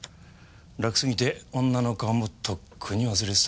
楽すぎて女の顔もとっくに忘れてたな。